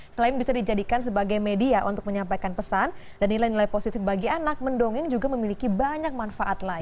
selain bisa dijadikan sebagai media untuk menyampaikan pesan dan nilai nilai positif bagi anak mendongeng juga memiliki banyak manfaat lain